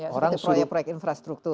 ya seperti proyek infrastruktur